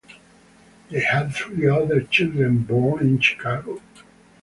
They had three other children born in Chicago.